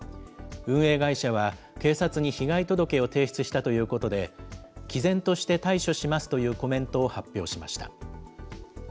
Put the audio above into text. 運営会社は、警察に被害届を提出したということで、きぜんとして対処しますというコメントを発表しました。